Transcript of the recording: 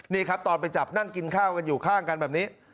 นี่ครับตอนไปจับนั่งกินข้าวกันอยู่ข้างกันแบบนี้